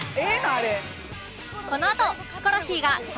あれ。